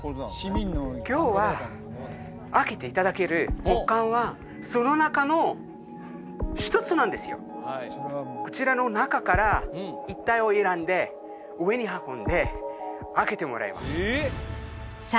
今日は開けていただける木棺はその中の一つなんですよこちらの中から１体を選んで上に運んで開けてもらいますさあ